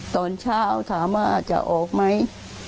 ตอนเช้าถามว่าจะออกไหม